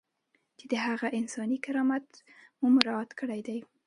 چې د هغه انساني کرامت مو مراعات کړی دی.